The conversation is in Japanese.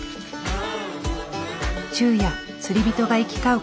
昼夜釣り人が行き交う